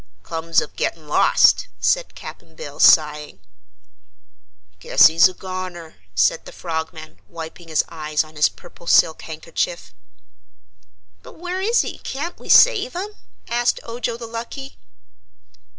"Comes of getting lost!" said Cap'n Bill, sighing. "Guess he's a goner!" said the Frogman, wiping his eyes on his purple silk handkerchief. "But where is he? Can't we save him?" asked Ojo the Lucky.